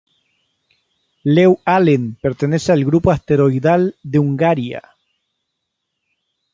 Lew Allen pertenece al grupo asteroidal de Hungaria.